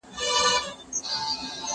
زه پرون کتابتون ته وم؟!